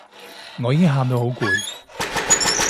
我已經喊到好攰